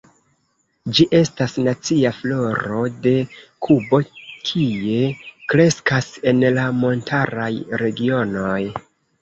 Ĝi estas nacia floro de Kubo, kie kreskas en la montaraj regionoj.